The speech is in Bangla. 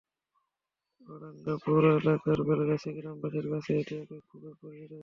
চুয়াডাঙ্গা পৌর এলাকার বেলগাছি গ্রামবাসীর কাছে এটি এখন খুবই পরিচিত দৃশ্য।